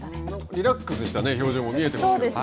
リラックスした表情も見えていますが。